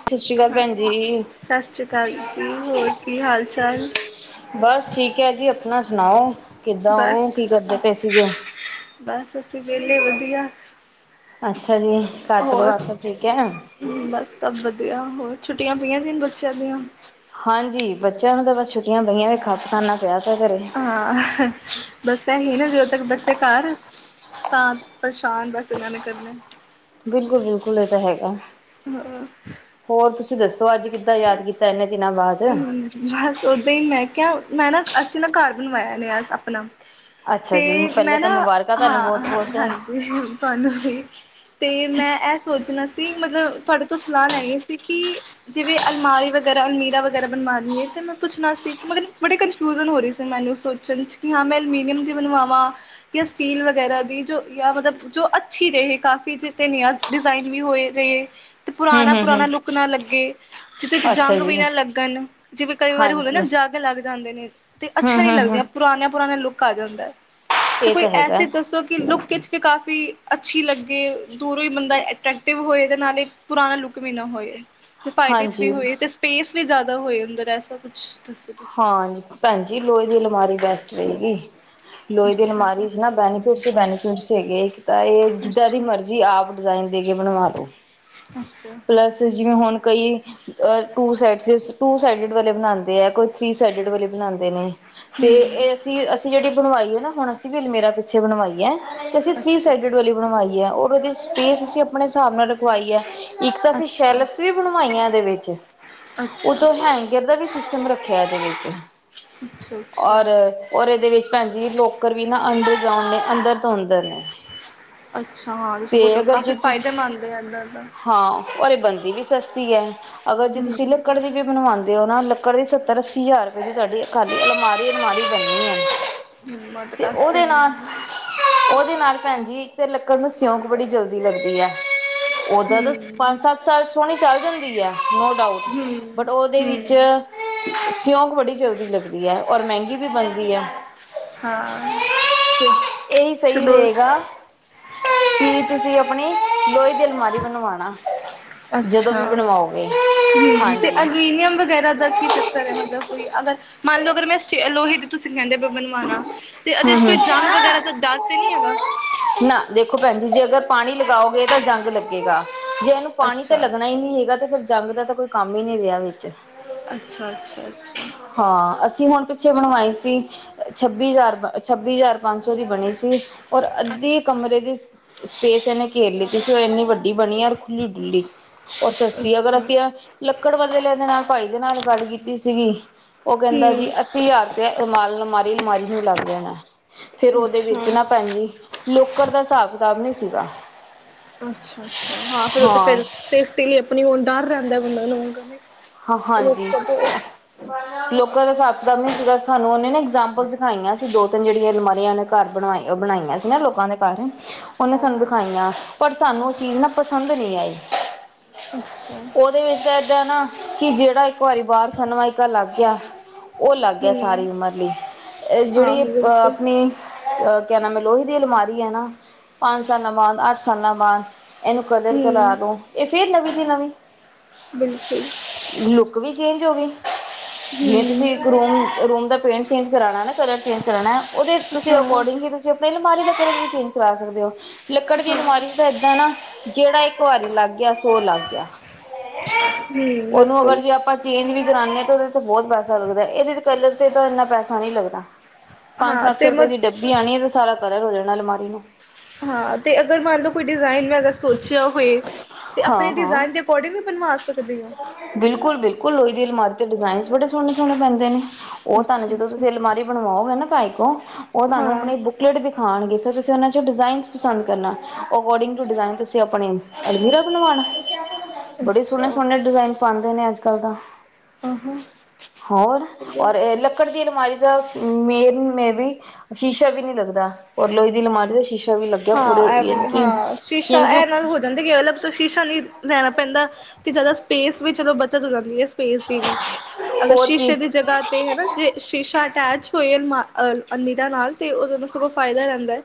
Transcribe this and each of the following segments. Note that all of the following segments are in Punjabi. ਸਤਿ ਸ਼੍ਰੀ ਅਕਾਲ ਭੈਣ ਜੀ ਸਤਿ ਸ੍ਰੀ ਅਕਾਲ ਜੀ ਹੋਰ ਕੀ ਹਾਲ ਚਾਲ ਬਸ ਠੀਕ ਹੈਜੀ ਆਪਣਾ ਸੁਣਾਓ ਕਿੱਦਾਂ ਬਸ ਉਹ ਕੀ ਕਰਦੇ ਪਏ ਸੀਗੇ ਬਸ ਅੱਸੀਂ ਵੇਹਲੇ ਵਧੀਆ ਅੱਛਾ ਜੀ ਘਰ ਹੋਰ ਪਰਿਵਾਰ ਸਭ ਠੀਕ ਹੈ ਆਹੋ ਛੁੱਟੀਆਂ ਪਈਆਂ ਸੀ ਬੱਚਿਆਂ ਦੀਆਂ ਹਾਂਜੀ ਬੱਚਿਆਂ ਨੂੰ ਤਾਂ ਬਸ ਛੁੱਟੀਆਂ ਪਈਆਂ ਖੱਪ ਖਾਨਾ ਪਿਆ ਤਾਂ ਘਰੇ ਹਾਂ ਬਸ ਇਹੀ ਨਾ ਜਦੋਂ ਤੱਕ ਬੱਚੇ ਘਰ ਤਾਂ ਪਰੇਸ਼ਾਨ ਬਸ ਇਹਨਾਂ ਨੇ ਕਰਨਾ ਬਿਲਕੁਲ ਬਿਲਕੁਲ ਇਹ ਤਾਂ ਹੈਗਾ ਹਾਂ ਤੁਸੀ ਦੱਸੋ ਅੱਜ ਕਿੱਦਾਂ ਯਾਦ ਕੀਤਾ ਇਹੇਨੇ ਹਮ ਬਸ ਓਦਾਂ ਹੀ ਮੈਂ ਕਿਹਾ ਮੈਂ ਨਾ ਅਸੀਂ ਨਾ ਘਰ ਬਣਵਾਇਆ ਨਯਾ ਆਪਣਾ ਅੱਛਾ ਤੇ ਜੀ ਪਹਿਲੇ ਮੈਂ ਤਾਂ ਨਾ ਮੁਬਾਰਕਾਂ ਹਾਂ ਤੁਹਾਨੂੰ ਬਹੁਤ ਬਹੁਤ ਹਾਂਜੀ ਤੁਆਨੂੰ ਵੀ ਤੇ ਮੈਂ ਇਹ ਸੋਚਣਾ ਸੀ ਕਿ ਮਤਲਬ ਤੁਹਾਡੇ ਤੋਂ ਸਲਾਹ ਲੈ ਗਏ ਸੀ ਕਿ ਜਿਵੇਂ ਅਲਮਾਰੀ ਵਗੈਰਾ ਅਲਮੀਰਾ ਵਗ ਰਾ ਬਣਵਾ ਲਈਏ ਤੇ ਮੈਂ ਪੁੱਛਣਾ ਸੀ, ਮਤ ਬੜੇ ਕਨਫਿਊਜ਼ਨ ਹੋ ਰਹੀ ਸੀ ਮੈਨੂੰ ਸੋਚਣ ਚ ਕਿ ਹਾਂ ਮੈਂ ਅਲੂਮੀਨੀਅਮ ਦੀ ਬਣਵਾਵਾ ਜਾਂ ਸਟੀਲ ਵਗੈਰ੍ਹਾ ਦੀ ਜੋ ਜਾਂ ਮਤਲਬ ਜੋ ਅੱਛੀ ਰਹੇ ਕਾਫੀ ਨਯਾ ਡਿਜਾਈਨ ਵੀ ਹੋਏ ਰਏ। ਤੇ ਹਮ ਹਮ ਪੁਰਾਣਾ-ਪੁਰਾਣਾ ਹਮ ਲੁੱਕ ਨਾ ਲੱਗੇ ਜਿਦ੍ਹੇ ਚ ਅੱਛਾ ਜੰਗ ਵੀ ਜੀ ਨਾ ਲੱਗੇ। ਲ ਜਿਵੇਂ ਕਈ ਵਾਰੀ ਹੁੰਦੇ ਹਾਂਜੀ ਨਾ ਜਾੱਗ ਲੱਗ ਜਾਂਦੇ ਨੇ ਤੇ ਹਮ ਅੱਛਾ ਨੀ ਹਮ ਹਮ ਲੱਗਦੀਆਂ ਪੁਰਾਣੇ ਪੁਰਾਣੇ ਲੁਕ ਕਰ ਦਿੰਦਾ। ਤੇ ਇਹ ਕੋਈ ਤਾਂ ਹੈਗਾ ਐਸੇ ਦੱਸੋ ਕਿ ਲੁੱਕ ਖਿੱਚ ਕੇ ਕਾਫ਼ੀ ਅੱਛੀ ਲੱਗੇ ਦੂਰੋਂ ਹੀ ਬੰਦਾ ਅਟਰ੍ਰੈਕਟਿਵ ਹੋਏ ਤੇ ਨਾਲੇ ਪੁਰਾਣਾ ਲੁੱਕ ਵੀ ਨਾ ਹੋਏ। ਫਾਇਦੇ ਚ ਵੀ ਹਾਂਜੀ ਹੋਏ ਤੇ ਸਪੇਸ ਵੀ ਜ਼ਿਆਦਾ ਹੋਏ ਅੰਦਰ ਐਸਾ ਕੁਛ ਦੱਸੋ ਤੁਸੀਂ। ਹਾਂ, ਭੈਣਜੀ ਲੋਹੇ ਦੀ ਅਲਮਾਰੀ ਬੈਸਟ ਰਏਗੀ। ਲੋਹੇ ਦੀ ਅੱਛਾ ਅਲਮਾਰੀ ਜੀ ਚ ਨਾ ਬੈਨੀਫਿਟਸ ਬੈਨੀਫਿਟ ਹੈਗੇ ਇੱਕ ਤਾਂ ਇਹ ਜਿਦਾਂ ਦੀ ਅੱਛਾ ਅੱਛਾ ਮਰਜੀ਼ ਆਪ ਡਿਜ਼ਾਇਨ ਦੇ ਕੇ ਬਣਵਾ ਲੋ। ਹੂੰ ਅੱਛਾ ਪਲੱਸ ਜਿਵੇਂ ਹੁਣ ਕਈ ਟੂ ਸਟ ਟੂ ਸਾਇਡਡ ਵਾਲੇ ਬਣਾਂਦੇ ਆ, ਕੋਈ ਥ੍ਰਰੀ ਸਾਈਡਡ ਵਾਲੇ ਬਣਾਂਦੇ ਨੇ ਤੇ ਹਮ ਇਹ ਅਸੀਂ ਅਸੀਂ ਜਿਹੜੀ ਬਣਵਾਈਏ ਨਾ ਹੁਣ ਅਸੀਂ ਵੀ ਅਲਮੇਰਾ ਪਿੱਛੇ ਬਣਵਾਈ ਏ ਐ। ਤੇ ਅਸੀਂ ਥਰੀ ਅੱਛਾ ਸਾਈਡਡ ਵਾਲੀ ਬਣਵਾਈ ਐ ਉਹ ਉਹਦੀ ਸਪੇਸ ਅਸੀਂ ਆਪਣੇ ਹਿਸਾਬ ਨਾਲ ਰਖਵਾਈ ਏ। ਇੱਕ ਤਾਂ ਅਸੀਂ ਅੱਛਾ ਸ਼ੈਲਫਸ ਵੀ ਬਣਵਾਈਆਂ ਇਹਦੇ ਵਿੱਚ ਅੱਛਾ ਉਥੋਂ ਹੈਂਗਰ ਦਾ ਵੀ ਸਿਸ ਟਮ ਰੱਖਿਆ ਏਦੇ ਵਿੱਚ। ਅੱਛਾ ਅੱਛਾ ਔਰ ਔਰ ਇਹਦੇ ਵਿੱਚ ਭੈਣ ਜੀ ਲੋਕਰ ਵੀ ਨਾ ਅੰਡਰਗਰਾਉਂਡ ਨੇ ਅੰਦਰ ਧੋਂਦਰ ਨੇ ਅੱਛਾ ਹਾਂ ਗੋ ਤੇ ਅਗਰ ਜੇ ਕਾਫ਼ੀ ਤੁ ਫਾਇਦੇਮੰਦ ਆ ਇਏਦਾਂ ਦਾ ਹਾਂ ਔਰ ਬਣਦੀ ਇਹ ਵੀ ਸਸਤੀ ਐ। ਅਗਰ ਜੇ ਹੂੰ ਤੁਸੀਂ ਲੱਕੜ ਦੀ ਵੀ ਬਣਵਾਂਦ ਤੇ ਉਹਨਾ ਲੱਕੜ ਦੀ ਸੱਤਰ ਅੱਸੀ ਹਜ਼ਾਰ ਰੁਪਏ ਦੀ ਤੁਆਡੀ ਖਾਲੀ ਅਲਮਾਰੀ ਅਲਮਾਰੀ ਬਨਣੀ ਐ। ਹੂੰ ਤੇ ਕਾਫੀ ਉਹਦੇ ਨਾਲ ਹੂੰ ਉਹਦੇ ਨਾਲ ਭੈਣ ਜੀ ਇੱਕ ਤੇ ਲੱਕੜ ਨੂੰ ਸਿਉਂਕ ਬੜੀ ਜਲਦੀ ਲੱਗਦੀ ਐ, ਓਦਾਂ ਤਾਂ ਹੂੰ ਪੰਜ-ਸੱਤ ਸਾਲ ਸੋਹਣੀ ਚੱਲ ਜਾਂਦੀ ਐ, ਨੋ ਡਾਊਟ ਬਟ ਉਹਦੇ ਵਿੱਚ ਹੂੰ ਸਿਯਉਂਕ ਬੜੀ ਜਲਦੀ ਲੱਗਦੀ ਐ ਔਰ ਮਹਿੰਗੀ ਵੀ ਬਣਦੀ ਐ ਹਾਂ [unintelligible] ਤੇ ਇਹੀ ਸਹੀ ਚਲੋ ਰਹੇਗਾ ਕੀ ਤੁਸੀਂ ਆਪਣੀ ਲੋਹੇ ਦਿ ਲਮਾਰੀ ਬਣਵਾਣਾ। ਜਦੋਂ ਅੱਛਾ, ਵੀ ਬਣਵਾਓਗੇ ਹਮਤੇ ਹਾਂਜੀ ਅਲੂਨੀਅਮ ਵਗੈਰਾ ਦਾ ਕੀ ਚੱਕਰ ਹੈ ਮਤਲ ਕੋਈ ਅਗਰ ਮੰਨ ਲਓ ਅਗਰ ਮੈਂ ਲੋਹੇ ਤੁਸੀਖਹਦੇ ਬਣਵਾਣਾ ਤੇ ਇਹਦੇ ਚ ਕੋਈ ਹੂੰ-ਹੂੰ, ਜੰਗ ਵਗੈਰਾ ਦਾ ਡਰ ਤੇ ਨਹੀਂ ਹੈਗਾ ਨਾ ਦੇਖੋ ਭੈਣ ਜੀ ਜੇ ਅਗਰ ਪਾਣੀ ਲਗਾਓਗੇ ਤਾਂ ਜੰਗ ਲੱਗੇਗਾ। ਜੇ ਇਹਨੂੰ ਪਾਣੀ ਤਾਂ ਅੱਛਾ ਲੱਗਣਾ ਹੀ ਨਹੀਂ ਹੈਗਾ ਤੇ ਫਿਰ ਜੰਗ ਦਾ ਤਾਂ ਕੋਈ ਕੰਮ ਹੀ ਨਹੀਂ ਰਿਹਾ ਵਿਚ ਹਾਂ ਅਸੀਂ ਹੁਣ ਅੱਛਾ-ਅੱਛਾ-ਅੱਛਾ, ਪਿੱਛੇ ਬਣਵਾਏ ਸੀ, ਛੱਬੀ ਹਜ਼ਾਰ ਛੱਬੀ ਹਜਾਰ ਪੰਜ ਸੌ ਦੀ ਬਣੇ ਸੀ, ਔਰ ਅੱਧੀ ਕਮਰੇ ਦੀ ਸਪੇਸ ਇਹਨੇ ਘੇਰ ਲੇਤੀ ਸੀ, ਉਹ ਇੰਨੀ ਵੱਡੀ ਬਣੀ ਯਾਰ ਖੁੱਲੀ-ਡੁੱਲੀ, ਉਹ ਸਸਤੀ ਅਗਰ ਅੱਛਾ ਅਸੀਂ ਲੱਕੜ ਬਦਲਿਆਂ ਦੇ ਨਾਲ ਭਾਈ ਦੇ ਨਾਲ ਗੱਲ ਕੀਤੀ ਸੀਗੀ। ਉਹ ਕਹਿੰਦਾ ਜੀ ਹੂੰ ਅੱਸੀ ਹਜ਼ਾਰ ਰੁਪਏ ਅਰਾਮ ਮਾਰੀ ਅਲਮਾਰੀ ਨੂੰ ਣਾ [unintelligible] ਫੇਰ ਉਹਦੇ ਅੱਛਾ ਵਿੱਚ ਨਾ ਭੈਣਜੀ ਲੋਕਰ ਦਾ ਹਿਸਾਬ ਕਿਤਾਬ ਨਹੀਂ ਸੀਗਾ। ਅੱਛਾ-ਅੱਛਾ, ਹਾਂ ਫਿਰ ਉਹ ਤਾਂ ਫਿਰ ਸੇਫਟੀ ਲਈ ਆਪਣੀ ਉਹ ਡਰ ਰਹਿੰਦਾ। ਉਹਨਾਂ ਨੂੰ ਹਾਂ, ਹਾਂਜੀ ਲੋਕਾਂ ਤੋਂ ਲੋਕ ਘਰੇ [unintelligible] ਸਾਨੂੰ ਔਨੇ ਨਾ। ਇਗਜ਼ਾਮਪਲ ਦਿਖਾਈਆਂ ਸੀ? ਅਸੀਂ ਦੋ ਤਿੰਨ ਜਿਹੜੀਆਂ ਅਲਮਾਰੀਆਂ ਨੇ ਘਰ ਬਣਾਈਆਂ ਸੀ ਨਾ ਲੋਕਾਂ ਦੇ ਘਰ, ਉਹਨੇ ਹਾਂ ਸਾਨੂੰ ਹਾਂ ਦਿਖਾਈਆਂ ਪਰ ਸਾਨੂੰ, ਏਨਾ ਪਸੰਦ ਨੀ ਆਈ। ਅੱਛਾ, ਠੀਕ ਐ ਨਾ, ਕਿ, ਜਿਹੜਾ। ਭਾਰੀ ਬਾਹਰ ਸਨਮਾਈਕਾ ਲੱਗ ਗਿਆ, ਉਹ ਲੱਗ ਗਿਆ ਹੂੰ ਸਾਰੀ ਉਮਰ ਲਈ ਜਿਹੜੀ ਆਹੋ ਬਿਲਕੁਲ ਆਪਣੀ ਕਹਿਣਾ ਮੈਂ ਲੋਹੇ ਅਲਮਾਰੀ ਹੈ ਨਾ, ਪੰਜ ਸਾਲਾਂ ਬਾਅਦ ਅੱਠ ਸਾਲਾਂ ਬਾਅਦ। ਇਹਨੂੰ ਕਲਰ ਕਰਾ ਹੂੰ ਦੋ ਇਹ ਫੇਰ ਨਵੀਂ, ਦੀ ਨਵੀਂ, ਬਿਲਕੁਲ, ਲੁੱਕ ਵੀ ਚੇਂਜ ਹੋ ਗਈ। ਜਿਵੇਂ ਹੂੰ ਤੁਸੀਂ ਰੂਮ-ਰੂਮ ਦਾ ਪੇਂਟ ਚੇਂਜ ਕਰਾਣਾ ਨਾ ਕਲਰ ਚੇਂਜ ਕਰਾਣਾ ਉਹਦੇ ਤੁਸੀਂ ਹਾਂ ਅਕੋਰਡਿੰਗ ਹੀ ਤੁਸੀਂ ਆਪਣੇ ਬਾਰੀ ਦਾ ਕਲਰ ਚੇਂਜ ਕਰਵਾ ਸਕਦੇ ਆ। ਲੱਕੜ ਦੀ ਅਲਮਾਰੀ ਤਾਂ ਏਦਾਂ ਨਾ ਜਿਹੜਾ ਇੱਕ ਵਾਰੀ ਲੱਗ ਗਿਆ ਸੋ ਲੱਗ ਗਿਆ। ਉਹਨੂੰ ਅਗਰ ਜੇ ਆਪਾਂ ਚੇਂਜ ਵੀ ਕਰਾਨੇ ਤੇ ਉਹਦੇ ਤੇ ਬਹੁਤ ਪੈਸਾ ਲੱਗਦਾ ਇਹਦੇ ਕਲਰ ਤੇ ਤਾਂ ਇੰਨਾ ਪੈਸਾ ਨਹੀਂ ਲੱਗਦਾ। ਪੰਜ ਹਾਂ ਸੱਤ ਸੌ ਤੇ ਮ ਰੁਪਏ ਦੀ ਡੱਬੀ ਆਉਣੀ ਹੈ ਤੇ ਸਾਰਾ ਕਲਰ ਹੋ ਜਾਣਾ ਅਲਮਾਰੀ ਨੂੰ। ਹਾਂ ਤੇ ਅਗਰ ਮੰਨ ਲਓ ਕੋਈ ਡਿਜ਼ਾਇਨ ਅਗਰ ਸੋਚਿਆ ਹੋਏ ਤੇ ਆਪਣੇ ਹਾਂ ਹਾਂ ਡਿਜ਼ਾਇਨ ਦੇ ਅਕੋਰਡਿੰਗ ਵੀ ਬਣਵਾ ਸਕਦੇ ਹੋ ਬਿਲਕੁਲ ਬਿਲਕੁਲ ਲੋਹੇ ਦੀ ਅਲਮਾਰੀ ਤੇ ਡਿਜ਼ਾਇਨ ਬੜੇ ਸਹਣੇ ਸੋਹਣੇ ਬਣਦੇ ਨੇ। ਉਹ ਤੁਹਾਨੂੰ ਅੱਛਾ ਜਦੋਂ ਅੱਛਾ ਤੁਸੀਂ ਅਲਮਾਰੀ ਬਣਵਾਓਗੇ ਨਾ [inaudible] ਉਹ ਤੁਹਾਨੂੰ ਹਾਂ ਆਪਣੇ ਬੁੱਕਲੇਟ ਦਿਖਾਉਣਗੇ। ਅਤੇ ਤੁਸੀਂ ਉਹਨਾਂ 'ਚ ਡਿਜ਼ਾਇਨ ਪਸੰਦ ਕਰਨਾ ਅਕੋਡਿੰਗ ਟੂ ਡਿਜ਼ਾਇਨ ਤੁਸੀਂ ਆਪਣਾ ਅਲਮਿਰਾ ਬਣਵਾਉਣਾ। ਬੜੇ ਸੋਹਣੇ ਅੱਛਾ ਸੋਹਣੇ ਡਿਜ਼ਾਇਨ ਪਾਉਂਦੇ ਅੱਜ ਅੱਜ ਕੱਲ ਤਾ। ਹਾਂ ਹਾਂ ਹੋਰ ਚਲੋ ਔਰ ਲੱਕੜ ਦੀ ਅਲਮਾਰੀ ਮੇਨ ਮੈ ਵੀ ਸ਼ੀਸ਼ਾ ਵੀ ਨੀ ਲੱਗਦਾ ਔਰ ਲੋਹੇ ਦੀ ਅਲਮਾਰੀ ਦਾ ਸ਼ੀਸ਼ਾ ਵੀ ਲੱਗਿਆ ਪੂਰੇ ਹਾਂ ਇਹ ਯਾਨੀ ਵੀ ਹਾਂ ਕਿ ਸ਼ੀਸ਼ਾ ਯਾਨੀ ਇਹ ਨਾਲ ਕਿ ਹੋ ਜਾਂਦਾ ਅਲੱਗ ਤੋਂ ਸ਼ੀਸ਼ਾ ਨਹੀਂ ਲੈਣਾ ਪੈਂਦਾ। ਅਤੇ ਜ਼ਿਆਦਾ ਸਪੇਸ ਵੀ ਚਲੋ ਬੱਚਤ ਹੋ ਜਾਂਦੀ ਹੈ। ਸਪੇਸ ਦੀ ਵੀ ਅਗਰ ਹੋਰ ਸ਼ੀਸ਼ੇ ਕੀ ਦੀ ਜਗ੍ਹਾ ਤੇ ਹੈ ਨਾ ਜੇ ਸ਼ੀਸ਼ਾ ਅਟੈਚ [unintelligible] ਅਲਮਿਰਾ ਨਾਲ ਓਹ ਫਾਇਦਾ ਰਹਿੰਦਾ।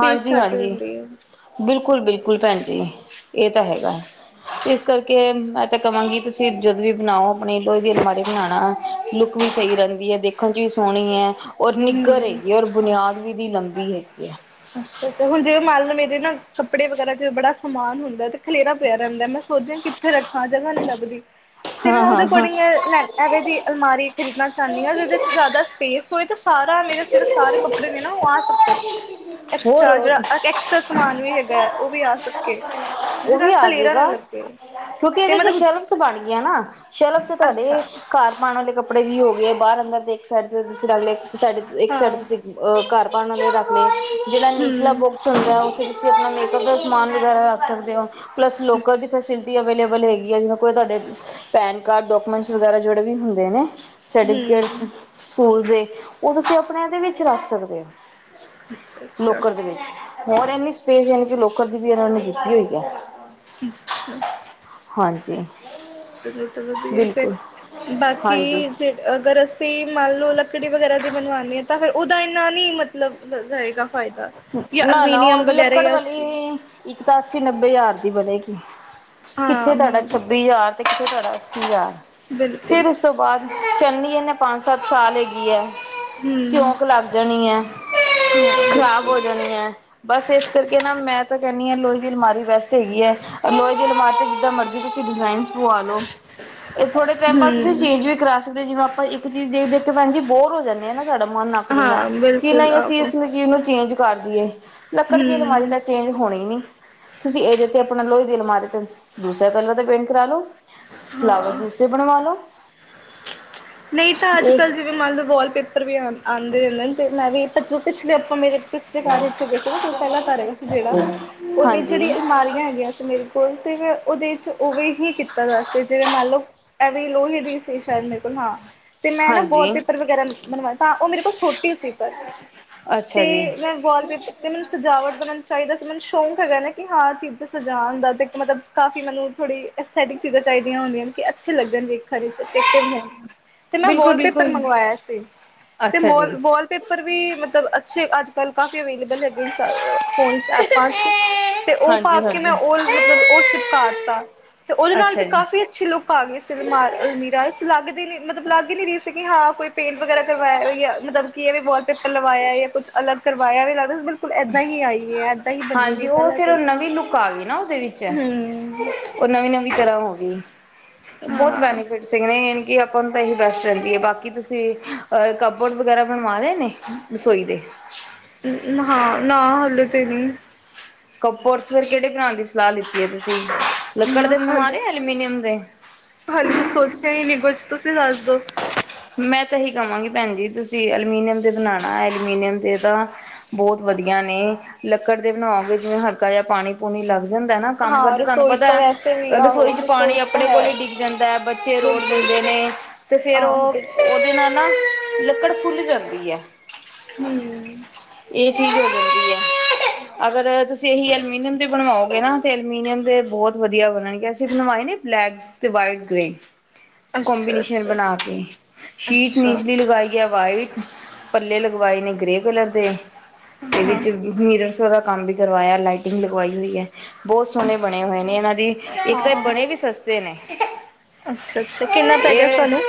ਹਾਂਜੀ ਘੱਟ ਹਾਂਜੀ ਜਾਂਦੀ ਆ। ਬਿਲਕੁਲ ਬਿਲਕੁਲ ਭੈਣ ਜੀ ਇਹ ਤਾਂ ਹੈਗਾ ਇਸ ਕਰਕੇ ਮੈਂ ਤਾਂ ਕਵਾਂਗੀ ਤੁਸੀਂ ਜਦੋਂ ਵੀ ਬਣਾਓ ਆਪਣੇ ਲੋਹੇ ਦੀ ਅਲਮਾਰੀ ਬਣਾਉਣਾ ਲੁੱਕ ਵੀ ਸਹੀ ਰਹਿੰਦੀ ਹੈ ਦੇਖਣ ਚ ਵੀ ਸੋਹਣੀ ਹੈ। ਔਰ ਨਿੱਗਰ ਹੈਗੀ ਔਰ ਬੁਨਿਆਦ ਵੀ ਦੀ ਲੰਬੀ ਹੈਗੀ ਹੈ ਅੱਛਾ ਅੱਛਾ ਹੁਣ ਜਿਵੇਂ ਮਨਲੋ ਮੇ ਨਾ ਕੱਪੜੇ ਵਗੈਰਾ ਚ ਬੜਾ ਸਮਾਨ ਹੁੰਦਾ ਤੇ ਖਲੇਰਾ ਪਿਆ ਰਹਿੰਦਾ ਮੈਂ ਸੋਚਿਆ ਕਿੱਥੇ ਰੱਖਾਂ ਜਗ੍ਹਾ ਨੀ ਲੱਗਦੀ [unintelligible] ਹਾਂ ਹਾਂ ਹਾਂ ਦੀ ਅਲਮਾਰੀ ਖਰੀਦਣਾ ਚਾਹੁੰਦੀ ਹਾਂ ਜਿਦੇ ਚ ਜ਼ਿਆਦਾ ਸਪੇਸ ਹੋਏ ਤੇ ਸਾਰਾ ਮੇਰੇ ਜਿਹੜੇ ਸਾਰੇ ਕੱਪੜੇ ਨੇ ਨਾ ਉਹ ਆ ਸਕਣ। ਹੋਰ ਐਕਸਟ੍ਰਾ, ਜਿਹੜਾ ਐਕਸਟਰਾ ਸਮਾਨ ਵੀ ਹੈਗਾ ਉਹ ਵੀ ਆ ਸਕੇ, ਜਿਹਦੇ ਉਹ ਵੀ ਨਾਲ ਆ ਖਲੇਰਾ ਨਾ ਜਾਏਗਾ ਲੱਗੇ। ਕਿਉਂਕਿ ਤੇ ਇਹਦੇ ਇਹਨਾਂ ਚ ਦਾ, ਸ਼ੈਲਫਸ ਬਣ ਗਈਆਂ ਨਾ ਸ਼ੈਲਫ ਤੇ ਤੁਹਾਡੇ ਅੱਛਾ। ਘਰ ਪਾਉਣ ਵਾਲੇ ਕੱਪੜੇ ਵੀ ਹੋ ਗਏ ਆ ਬਾਹਰ ਅੰਦਰ ਤੇ ਦੇਖ ਸਕਦੇ ਹੋ ਤੁਸੀਂ ਅਗਲੇ ਸਾਡੇ ਇੱਕ ਹਾਂ ਸਾਈਡ ਤੇ ਉਹ ਘਰ ਪਾਉਣ ਵਾਲੇ ਵੀ ਰੱਖਦੇ। ਜਿਹੜਾ ਨੀਚਲਾ ਹੂੰ, ਬੋਕਸ ਹੁੰਦਾ ਫੇਰ ਤਾਂ ਮੇਕਅਪ ਦਾ ਸਮਾਨ ਵਗੈਰਾ ਰੱਖ ਸਕਦੇ ਹੋ। ਪਲੱਸ ਲੋਕਲ ਦੀ ਫੈਸਿਲਿਟੀ ਅਵੇਲੇ ਵਲ ਹੋਏਗੀ ਜਿਕੂੰ ਕੋਈ ਤੁਹਾਡੇ ਪੈਨ ਕਾਰਡ ਡੋਕੂਮੈਂਟ ਵੈਗਰਾ ਜਿਹੜੇ ਵੀ ਹੁੰਦੇ ਨੇ ਹੂੰ ਸਰਟੀਫਿਕੇਟ ਸਕੂਲ ਦੇ ਉਦੋਂ ਤੁਸੀਂ ਆਪਣੇ ਆਦੇ ਵਿੱਚ ਰੱਖ ਸਕਦੇ ਹੋ। ਅੱਛਾ ਅੱਛਾ। ਲੋਕਰ ਦੇ ਵਿੱਚ ਹੋਰ ਇੰਨੀ ਸਪੇਸ ਹੈ ਨੀ ਲੋਕਰ ਦੀ ਵੀ ਇਹਨੀ‌ ਦਿੱਤੀ ਹੋਈ ਐ। ਅੱਛਾ। ਜੀ। ਚਲੋ ਵਧੀਆ ਫਿਰ ਹਾਂਜੀ ਬਾਕੀ ਜੇ ਅਗਰ ਅਸੀਂ ਮੰਨ ਲਓ ਲੱਕੜੀ ਵਗੈਰਾ ਦੀ ਬਣਵਾਣੇ ਤਾਂ ਫਿਰ ਉਹਦਾ ਇੰਨਾ ਨਈ ਨਹੀਂ ਮਤਲਬ ਰਏਗਾ। ਨਾ ਨਾਂ ਉ ਲੱਕੜ ਵਾਲੀ ਸਟੀਲ ਇੱਕ ਤਾਂ ਅੱਸੀ-ਨੱਬੇ ਹਜ਼ਾਰ ਦੀ ਬਣੇਗੀ। ਕਿੱਥੇ ਹਾਂ ਤਾਡਾ ਮਹਿੰਗੀ ਹੈ ਛੱਬੀ ਹਜ਼ਾਰ ਤੇ ਕਿੱਥੇ ਤੁਆ ਅੱਸੀ ਹਜ਼ਾਰ। ਬਿਲਕੁਲ ਫਿਰ ਉਸ ਤੋਂ ਬਾਅਦ [unintelligible] ਕਹਿੰਦੀ ਇਹਨੇ ਪੰਜ-ਸੱਤ ਸਾਲ ਹੈਗੀ ਏ। ਹਮ ਸਿਊਂਕ ਲੱਗ ਜਾਣੀ ਐ, ਹਾਂ ਖਰਾਬ ਹੋ ਬਿਲਕੁਲ ਜਾਣੀ ਐ, ਬਸ ਇਸ ਕਰਕੇ ਨਾ ਮੈਂ ਤਾਂ ਕਹਿੰਦੀ ਆਂ, ਲੋਹੇ ਦੀ ਅਲਮਾਰੀ ਵੈਸਟ ਸਹੀ ਐ, ਲੋਹੇ ਦੀ ਅਲਮਾਰ ਤੇ ਚ ਜਿੱਦਾਂ ਮਰਜ਼ੀ ਤੁਸੀਂ ਡਿਜ਼ਾਇਨ ਪਵਾ ਲੋ। ਇਹ ਥੋੜੇ ਟਾਈਮ ਬਾਅਦ ਤੁਸੀਂ ਹਮ ਚੇਂਜ ਵੀ ਕਰਾ ਸਕਦੇ ਜਿਵੇਂ ਆਪ ਪਰ ਇੱਕ ਚੀਜ਼ ਦੇਖ ਦੇਖ ਕੇ ਭੈਣ ਜੀ ਬੋਰ ਹੋ ਜਾਂਣੇ ਆਂ ਨਾਂ। ਸਾਡਾ ਮਨ ਅੱਕ ਜਾਂਦਾ ਹਾਂ ਕਿ ਬਿਲਕੁਲ ਨਈਂ ਅਸੀਂ ਆਹੋ ਇਸ ਚੀਜ਼ ਨੂੰ ਚੇਂਜ ਕਰਦੀਏ। ਲੱਕੜ ਦੀ ਅਲਮਾਰੀ ਹਮ ਤਾਂ ਚੇਂਜ ਹੋਣੀ ਨੀਂ। ਤੁਸੀਂ ਇਹਦੇ ਤੇ ਆਪਣਾ ਲੋਹੇ ਅਲਮਾਰੀ ਦੂਸਰੇ ਕਲਰ ਦਾ ਪੇਂਟ ਕਰਾ ਲਓ। ਫਲਾਵਰ ਹਾਂ ਦੂਸਰੇ ਬਣਵਾ ਲੋ ਨਹੀਂ ਤਾਂ ਅੱਜ ਇਹ ਕੱਲ੍ਹ ਜਿਵੇਂ ਮੰਨ ਲਓ ਵਾਲਪੇਪਰ ਵੀ ਆਉਦੇਂ ਆ ਆਦੇ ਵੀ ਚੂਪ ਚ ਆਪ ਮੇਰੇ ਪਿਛਲੇ ਕਾਰੇ ਵਿੱਚ ਪਹਿਲਾ ਕਰ ਹੈਗਾ ਸੀ, ਜਿਹੜਾ ਉਹਦੀ ਹਾਂਜੀ ਜਿਹੜੀ ਅਲਮਾਰੀਆਂ ਹੈਗੀਆਂ ਸੀ। ਤੇ ਮੈਂ ਉਹਦੇ ਚ ਉਵੇਂ ਹੀ ਕੀਤਾ ਦਾ ਸੀ, ਜਿਵੇਂ ਮੰਨਲਓ ਐਵੇ ਲੋਹੇ ਦੀ ਸੀ ਸ਼ਾਇਦ। ਸੁਣਨਾ 'ਤੇ ਮੈਂ ਨਾ ਵਾਲ ਹਾਂਜੀ ਪੇਪਰ ਵਗੈਰਾ ਬਣਵਾਇਆ, ਤਾਂ ਉਹ ਮੇਰੇ ਕੋਲ ਛੋਟੀ ਸੀ, ਪਰ ਤੇ ਅੱਛਾ ਜੀ ਮੈਂ ਵਾਲ ਪੇਪਰ ਤੇ ਮੈਨੂੰ ਸਜਾਵਟ ਦਾ ਮੈਨੂੰ ਚਾਹੀਦਾ ਸੀ। ਮੈਨੂੰ ਸ਼ੌਂਕ ਹੈਗਾ ਨਾ ਕਿ ਹਾਂ ਚੀਜ਼ਾਂ ਸਜਾਉਣ ਦਾ ਤਾਂ ਇੱਕ ਮਤਲਬ ਕਾਫੀ ਮੈਨੂੰ ਥੋੜ੍ਹੀ ਅਥੈਟਿਕ ਚੀਜ਼ਾਂ ਚਾਹੀਦੀਆਂ ਹੁੰਦੀਆਂ ਨੇ ਕਿ ਅੱਛੇ ਲੱਗਣਗੇ ਖੜੇ ਹੋਣ ਤੇ ਮੈਂ ਬਿਲਕੁਲ ਵਾਲਪੇਪਰ ਬਿਲਕੁਲ ਮੰਗਵਾਇਆ ਸੀ, ਤੇ ਅੱਛਾ ਜੀ ਵਾਲਪੇਪਰ ਪਰ ਵੀ ਮਤਲਬ ਅੱਛੇ, ਅੱਜ ਕੱਲ ਕਾਫੀ ਅਵੇਲੇਬਲ ਹੈਗੇ। ਫੋਨ 'ਚ ਐਪਾਂ 'ਚ ਤੇ ਉਹ ਪਾ ਹਾਂਜੀ ਕੇ ਮੈਂ ਹਾਂਜੀ ਉਹ ਮਤਲਬ ਉਹ ਚਿਪਕਾ ਦਿੱਤਾ, ਤੇ ਉਹਦੇ ਨਾਲ ਵੀ ਅੱਛਾ ਜੀ ਕਾਫੀ ਅੱਛੀ ਲੁਕ ਆ ਗਏ ਸੀਮਾਰ ਅਲਮੀਰਾ ਚ' ਲੱਗੇ ਨੀ ਮਤਲਬ ਲੱਗ ਹੀ ਨੀ ਰਹੀ ਸੀ ਹਾਂ। ਕੋਈ ਪੇਂਟ ਵਗੈਰਾ ਕਰਵਾਇਆ ਹੋ, ਜਾਂ ਮਤਲਬ ਕੀ ਵੀ ਬੋਲ ਪੇਪਰ ਲਵਾਇਆ, ਜਾਂ ਕੁੱਛ ਅਲਗ ਕਰਵਾ, ਮਾਇਆ ਵੀ ਲੱਗ ਦਾ ਬਿਲਕੁਲ ਏਦਾਂ ਹੀ ਆਈ ਹੈ ਏਦਾਂ ਹੀ ਬਣੀ ਦੀ ਹਾਂਜੀ ਉਹ ਪਹਿਲਾਂ ਤੋਂ ਫੇਰ ਹੀ ਨਵੀਂ ਲੁੱਕ ਆ ਗਈ, ਨਾ ਉਹਦੇ ਵਿੱਚ ਹਮ ਉਹ ਨਵੀਂ- ਨਵੀਂ ਤਰ੍ਹਾਂ ਹੋ ਗਈ। ਬਹੁਤ ਹਾਂ ਬੈਨੀਫਿਟ ਸੀ ਗੇ ਨੇ ਕਿ ਆਪਾਂ ਨੂੰ ਤਾਂ ਇਹੀ ਬੈਸਟ ਰਹਿੰਦੀ ਹੈ, ਬਾਕੀ ਤੁਸੀਂ ਅਹ ਕੱਪ ਬੋਰਡ ਵਗੈਰਾ ਬਣਵਾ ਲਏ ਨੇ ਰਸੋਈ ਦੇ, ਨਾ ਹਾਂ ਨਾ ਹੱਲ ਤੇ ਨਹੀਂ, ਕੱਪ ਬੋਟਸ ਕਿਹੜੇ ਬਣਾਉਣ ਦੀ ਸਲਾਹ ਲਿੱਤੀ। 'ਤੇ ਤੁਸੀਂ ਲੱਕੜ ਦੇ ਬਣਵਾ ਹਾਲੇ ਰਹੇ ਹੋ, ਜਾਂ ਐਲੂਮੀਨੀਅਮ ਦੇ ਹਾਲੇ ਤਾਂ ਸੋਚਿਆ ਹੀ ਨਹੀਂ ਕੁਛ ਤੁਸੀਂ ਦੱਸ ਦਿਉ? ਮੈਂ ਤਾਂ ਇਹੀ ਕਵਾਂਗੀ, ਭੈਣ ਜੀ ਤੁਸੀਂ ਐਲੂਮੀਨੀਅਮ ਦੇ ਬਣਾਉਣਾ ਐਲੂਮੀਨੀਅਮ ਦੇ ਤਾਂ ਬਹੁਤ ਵਧੀਆ ਨੇ ਲੱਕੜ ਦੇ ਬਣਾਓਗੇ ਜਿਵੇਂ ਹਲਕਾ ਜਿਹਾ ਪਾਣੀ ਪੂਣੀ ਲੱਗ, ਜਾਂਦਾ ਨਾ ਕੰਮ ਹਾਂ ਕਰਦੇ ਤੁਹਾਨੂੰ ਰਸੋਈ ਚ ਪਤਾ ਤਾਂ ਹੈ, ਵੈਸੇ ਵੀ ਆਹੋ ਰਸੋਈ ਚ ਪਾਣੀ ਤਾਂ ਆਪਣੇ ਕੋਲ ਹੈ ਹੀ ਡਿੱਗ ਜਾਂਦਾ ਹੈ, ਬੱਚੇ ਰੋੜ ਬਿਲਕੁਲ ਜਾਂਦੇ ਨੇ ਤੇ ਫੇਰ ਆਹੋ ਉਹ ਬਿਲਕੁਲ ਉਹਦੇ ਨਾਲ ਨਾ। ਨਾ ਲੱਕੜ ਫੁੱਲ ਜਾਂਦੀ ਹੈ। ਹਮ ਇਹ ਚੀਜ਼ ਹੋ ਜਾਂਦੀ। ਆਹੋ ਅਗਰ ਤੁਸੀਂ ਇਹੀ ਐਲੂਮੀਨੀਅਮ ਦੇ ਬਣਵਾਓਗੇਂ ਨਾ ਤੇ ਐਲੂਮੀਨੀਅਮ ਦੇ ਬਹੁਤ ਵਧੀਆ, ਵਧੀਆ ਬਣਨਗੇ ਅਸੀਂ ਬਣਵਾਏ ਨੇ ਬਲੈਕ ਤੇ ਵਾਈਟ ਗ੍ਰੇ, ਅੱਛਾ ਕਬੀਨੇਸ਼ਨ ਅੱਛਾ ਬਣਾ ਕੇ ਸ਼ੀਕ ਅੱਛਾ ਨਿਚਲੀ ਲਗਾਈ। ਵਾਈਟ ਪੱਲੇ ਲਗਵਾਏ ਨੇ ਗ੍ਰੇ ਕਲਰ ਦੇ, ਤੇ ਵੀ ਹਾਂ ਚੰਗੀ, ਮੇਰਾ ਸਾਰਾ ਕੰਮ ਵੀ ਕਰਵਾਇਆ ਲਾਈਟਿੰਗ ਲਗਵਾਈ ਹੋਈ ਐ। ਬਹੁਤ ਸੋਹਣੇ ਬਣੇ ਹੋਏ ਨੇ, ਅੱਛਾ ਇਹਨਾਂ ਦੀ ਇੱਕ ਤਾਂ ਹਾਂ ਬਣੇ ਵੀ ਸਸਤੇ ਨੇ, ਅੱਛਾ ਅੱਛਾ ਕਿੰਨਾ ਪੈ ਗਿਆ ਇਹ ਸਾਨੂੰ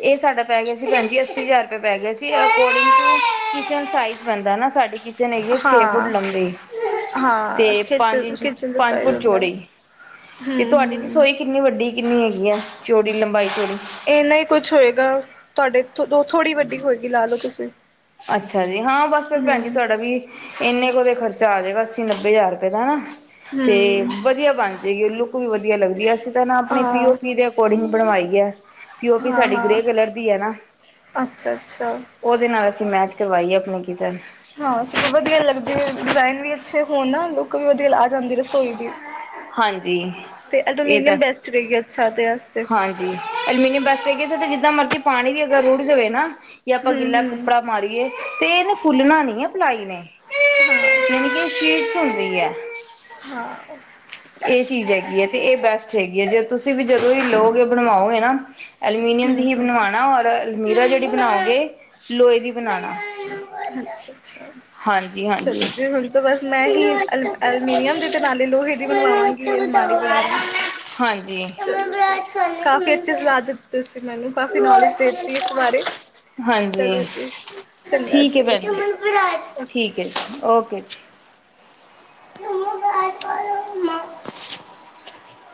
ਇਹ ਸਾਡਾ ਪੈ ਗਿਆ ਸੀ, ਭੈਣਜੀ ਅ ਅੱਸੀ ਹਜ਼ਾਰ ਰੁਪਏ ਪੈ ਗਏ ਸੀ, ਅਕੋਰਡਿੰਗ ਟੂ ਕਿਚਨ ਸਾਈਜ਼ ਪੈਂਦਾ ਨਾ, ਸਾਡੀ ਕਿ ਚਨ ਹੈਗੀ ਆ, ਛੇ ਫੁੱਟ ਹਾਂ ਲੰਬੇ ਤੇ ਹਾਂ ਪੰਜ ਕਿਚਨ ਇੰਚ ਕਿਚਨ ਦਾ ਪੰਜ ਸਾਈਜ਼ ਫੁੱਟ ਹੁੰਦਾ ਹਮ ਚੌੜੀ ਤੇ, ਤੁਹਾਡੀ ਹਮ ਰਸੋਈ ਕਿੰਨੀ ਵੱਡੀ ਕਿੰਨੀ ਹੈਗੀ? ਆ ਚੋੜੀ ਲੰਬਾਈ ਚੋੜੀ ਇਹਨਾ ਹੀ ਕੁਛ ਹੋਏਗਾ, ਤੁਹਾਡੇ ਤੋਂ ਥੋੜ੍ਹੀ ਵੱਡੀ ਹੋਏਗੀ ਲਾ ਲਓ ਤੁਸੀਂ। ਅੱਛਾ ਜੀ, ਹਾਂ ਬਸ ਫਿਰ ਭੈਣਜੀ ਹਮ ਤੁਹਾਡਾ ਵੀ ਇੰਨੇ ਕੁ ਦਾ ਖਰਚਾ ਆ ਜਾਏਗਾ, ਅੱਸੀ ਨੱਬੇ ਹਜ਼ਾਰ ਰੁਪਏ ਦਾ ਹਨਾ। ਤੇ ਹਮ ਵਧੀਆ ਬਣ ਜਾਏਗੀ, ਉਹ ਲੁ ਵੀ ਵਧੀਆ ਲੱਗਦੀ ਹੈ ਅਸੀਂ ਤਾਂ ਨਾ ਆਪਣੇ ਪੀ ਓ ਹਾਂ ਪੀ ਦੇ ਅਕੋਡਿੰਗ ਬਣਵਾਈ। ਐ, ਪੀ ਉ ਪੀ ਹਾਂ ਸਾਡੀ ਹਾਂ ਗ੍ਰੇ ਕਲਰ ਦੀ ਐ ਨਾ, ਅੱਛਾ ਅੱਛਾ ਉਹਦੇ ਨਾਲ ਅਸੀ ਮੈਚ ਕਰਵਾਈਏ ਆਪਣੇ ਕਿਚਨ। ਹਾਂ ਸਗੋਂ ਵਧੀਆ ਲੱਗਦੇ ਡਿਜ਼ਾਇਨ ਵੀ ਅੱਛੇ ਹੋਣ ਲੁੱਕ ਵੀ ਵਧੀਆ ਆ ਜਾਂਦੀ ਰਸੋਈ ਦੀ। ਹਾਂਜੀ ਤੇ ਇਹ ਤਾਂ ਅਲੂਮੀਨੀਅਮ ਬੈਸਟ ਰਹੇਗੀ ਅੱਛਾ ਤੇ ਆਸਤੇ। ਹਾਂਜੀ, ਅਲਮੀਨੀਅਮ ਬਸਟ ਰਿਹਾ ਗੀ, ਇਥੇ ਤੇ ਜਿੱਦਾਂ ਮਰਜੀ ਪਾਣੀ ਵੀ ਰੂੜ ਜਵੇ ਨਾ ਜਾਂ ਆਪਾਂ ਗਿੱਲਾ ਹੂੰ-ਹੂੰ, ਕੱਪੜਾ ਮਾਰੀਏ ਤੇ ਇਹਨ ਫੁੱਲਣਾ ਨੀ ਆ ਪਲਾਈ ਨੇ। ਜਾਨੀ ਕਿ ਸ਼ਸ਼ [unintelligible] ਹੋਗੀ ਐ। ਹਾਂ, ਇਹ ਚੀਜ਼ ਹੈਗੀ ਹੈ ਤੇ ਇਹ ਬੈਸਟ ਹੈਗੀ ਹੈ, ਜੇ ਤੁਸੀਂ ਵੀ ਜਦੋਂ ਹੀ ਲਓਗੇ ਬਣਵਾਓਗੇ ਨਾ ਐਲੂਮੀਨੀਅਮ ਦੀ ਹੀ ਹੂੰ-ਹੂੰ। ਬਣਵਾਣਾ ਔਰ ਅਲਮੀਰਾ ਜਿਹੜੀ ਬਣਾਓਗੇ ਲੋਹੇ ਦੀ ਬਣਾਉਣਾ ਅੱਛਾ-ਅੱਛਾ ਹਾਂਜੀ ਹਾਂਜੀ ਚਲੋ ਜੀ, ਹੁਣ ਤਾਂ ਬਸ ਮੈਂ ਹੀ ਅਲਮੀ ਅਲਮੀਨੀਅਮ ਤੇ ਨਾਲੇ ਲੋਹੇ ਬਣਵਾਵਾਂਗੀ ਅਲਮਾਰੀ ਵਗੈਰਾ ਹਾਂਜੀ ਚਲੋ ਜੀ, ਕਾਫ਼ੀ ਅੱਛੀ ਸਲਾਹ ਦਿੱਤੀ ਤੁਸੀਂ। ਕਾਫੀ ਨੌਲੇਜ ਦੇਤੀ ਇਸ ਬਾਰੇ, ਹਾਂਜੀ ਚਲੋ ਜੀ। ਚੰਗਾ ਠੀਕ ਹੈ ਜੀ ਭੈਣਜੀ ਓਕੇ ਜੀ ਓਕੇ। ਠੀਕ ਹੈ ਜੀ ਓਕੇ ਜੀ। ਨ [unintelligible]